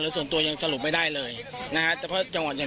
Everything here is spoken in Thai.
ส่วนตัวยังสรุปไม่ได้เลยนะฮะเฉพาะจังหวัดอย่าง